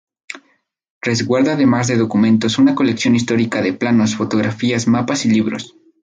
Resguarda además de documentos, una colección histórica de planos, fotografías, mapas y libros.